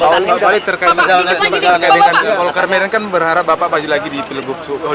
pak wali terkait dengan golkar medan kan berharap bapak maju lagi di pilgub